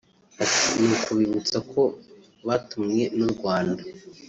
Ati “Ni ukubibutsa ko batumwe n’u Rwanda